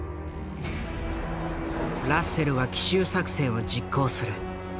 ラッセルは奇襲作戦を実行する。